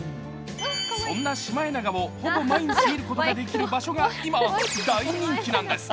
そんなシマエナガをほぼ毎日見ることができる場所が今、大人気なんです。